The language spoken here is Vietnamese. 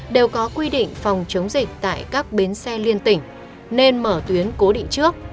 đều có quy định phòng chống dịch tại các bến xe liên tỉnh nên mở tuyến cố định trước